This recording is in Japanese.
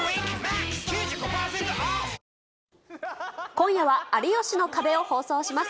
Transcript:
今夜は有吉の壁を放送します。